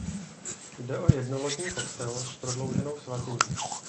Jde o jednolodní kostel s prodlouženou svatyní.